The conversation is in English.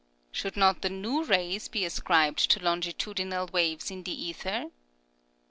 Should not the new rays be as cribed to longitudinal waves in the ether ?